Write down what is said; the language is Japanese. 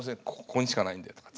ここにしかないんで」とか。